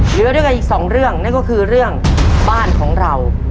เหลือด้วยกันอีกสองเรื่องนั่นก็คือเรื่องบ้านของเรา